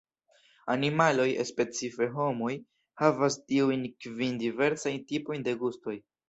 Animaloj, specife homoj, havas tiujn kvin diversajn tipojn de gustoj.